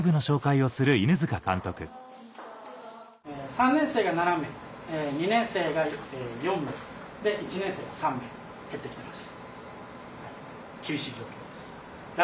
３年生が７名２年生が４名で１年生が３名入って来てます。